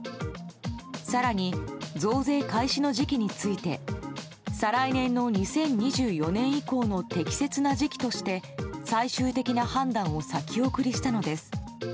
更に、増税開始の時期について再来年の２０２４年以降の適切な時期として最終的な判断を先送りしたのです。